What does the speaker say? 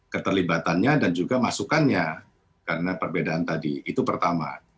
keterlibatannya dan juga masukannya karena perbedaan tadi itu pertama